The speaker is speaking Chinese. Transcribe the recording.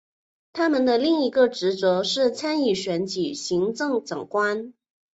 他们的另一职责是参与选举行政长官。